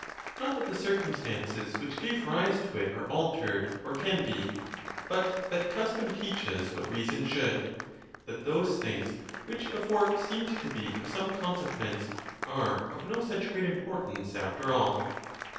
Not that the circumstances which gave rise to it are alter ed, or can be, but that custom teaches what reason should —that those things which before seemed to be of some con sequence are of no such great importance after all.